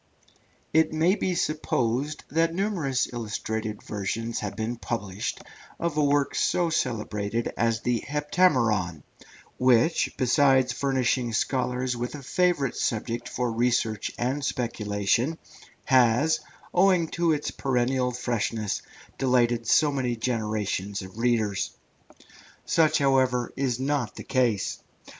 It may be supposed that numerous illustrated editions have been published of a work so celebrated as the Heptameron, which, besides furnishing scholars with a favourite subject for research and speculation, has, owing to its perennial freshness, delighted so many generations of readers. Such, however, is not the case.